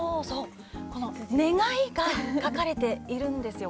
願いが書かれているんですよ。